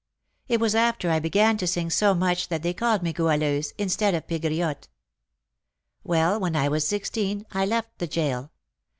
It was after I began to sing so much that they called me Goualeuse, instead of Pegriotte. Well, when I was sixteen, I left the gaol.